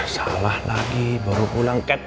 salah lagi baru pulang ke